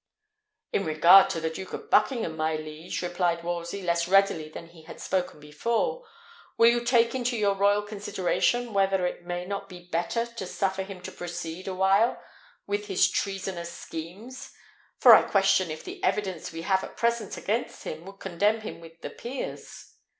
"In regard to the Duke of Buckingham, my liege," replied Wolsey, less readily than he had before spoken, "will you take into your royal consideration whether it may not be better to suffer him to proceed a while with his treasonous schemes? for I question if the evidence we have at present against him would condemn him with the peers."